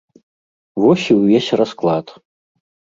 Вось і ўвесь расклад!